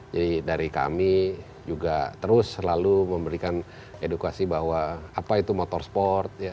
jadi dari kami juga terus selalu memberikan edukasi bahwa apa itu motor sport